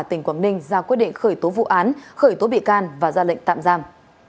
tỉnh quảng ninh ra quyết định khởi tố vụ án khởi tố bị can và ra lệnh tạm giam